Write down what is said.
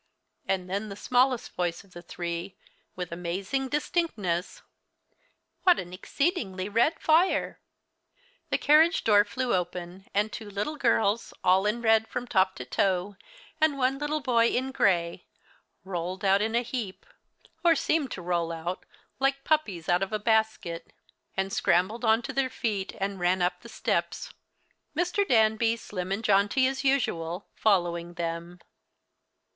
And then the smallest voice of the three with amazing distinctness: "What an exceedingly red fire." The carriage door flew open, and two little girls all in red from top to toe, and one little boy in gray, rolled out in a heap, or seemed to roll out, like puppies out of a basket, scrambled on to their feet and ran up the steps, Mr. Danby, slim and jaunty as usual, following them.